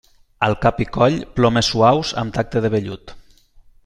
Al cap i coll, plomes suaus, amb tacte de vellut.